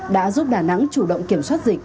đã giúp đà nẵng chủ động kiểm soát dịch